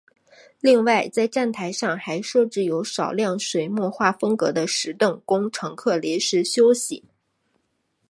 另外在站台上还设置有少量水墨画风格的石凳供乘客临时休息。